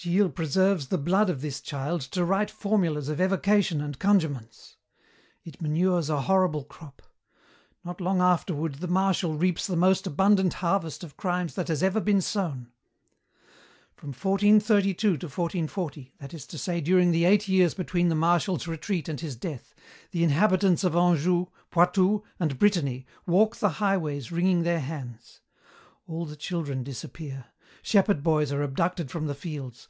"Gilles preserves the blood of this child to write formulas of evocation and conjurements. It manures a horrible crop. Not long afterward the Marshal reaps the most abundant harvest of crimes that has ever been sown. "From 1432 to 1440, that is to say during the eight years between the Marshal's retreat and his death, the inhabitants of Anjou, Poitou, and Brittany walk the highways wringing their hands. All the children disappear. Shepherd boys are abducted from the fields.